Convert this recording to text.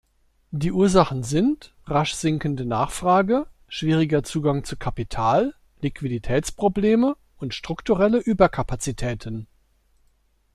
Die Ursachen sind: rasch sinkende Nachfrage, schwieriger Zugang zu Kapital, Liquiditätsprobleme und strukturelle Überkapazitäten.